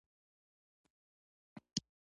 چارج دوه ډولونه لري.